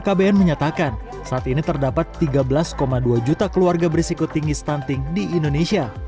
kbn menyatakan saat ini terdapat tiga belas dua juta keluarga berisiko tinggi stunting di indonesia